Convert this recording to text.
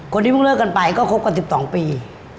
คนที่พวกเลิกกันไปก็ครบกว่า๑๒ปี